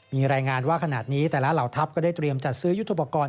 มีรายงานว่าขณะนี้แต่ละเหล่าทัพก็ได้เตรียมจัดซื้อยุทธปกรณ์